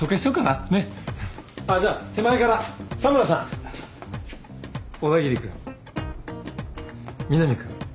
あっじゃあ手前から田村さん小田切君南君。